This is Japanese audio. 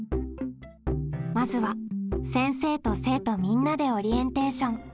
まずは先生と生徒みんなでオリエンテーション。